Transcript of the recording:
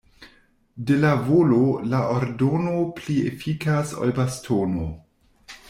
De la volo la ordono pli efikas ol bastono.